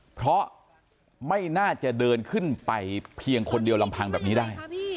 เพราะไม่น่าจะเดินขึ้นไปเพียงคนเดียวลำพังแบบนี้ได้